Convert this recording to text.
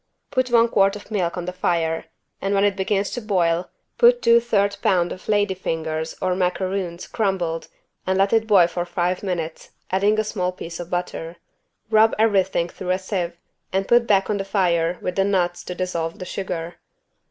Put one quart of milk on the fire, and when it begins to boil, put two third lb. lady fingers or macaroons crumbed and let it boil for five minutes, adding a small piece of butter. Rub everything through a sieve and put back on the fire with the nuts to dissolve the sugar.